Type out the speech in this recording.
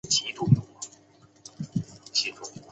贾公彦人。